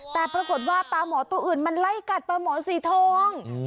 แต่ปรากฏว่าปลาหมอตัวอื่นมันไล่กัดปลาหมอสีทอง